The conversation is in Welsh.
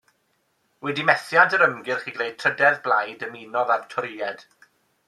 Wedi methiant yr ymgyrch i greu trydedd blaid ymunodd â'r Torïaid.